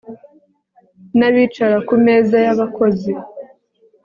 nabicara ku meza yabakozi